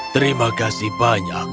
terima kasih banyak